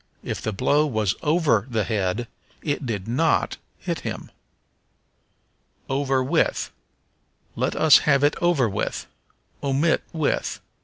If the blow was over the head it did not hit him. Over with. "Let us have it over with." Omit with.